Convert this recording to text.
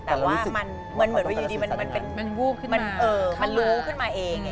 แต่ว่ามันเหมือนว่าอยู่ดีมันวูบขึ้นมามันรู้ขึ้นมาเอง